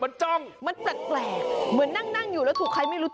มันจ้องมันแปลกเหมือนนั่งนั่งอยู่แล้วถูกใครไม่รู้ตัว